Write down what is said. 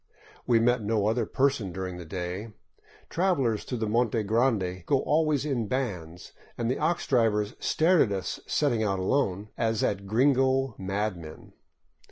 We met no other person during the day. Travelers through the Monte Grande go always in bands, and the ox drivers stared at us setting out alone, as at gringo madmen.